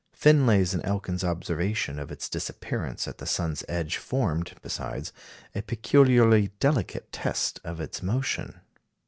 Finlay's and Elkin's observation of its disappearance at the sun's edge formed, besides, a peculiarly delicate test of its motion.